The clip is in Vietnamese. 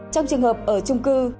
trong trường hợp ở chung cư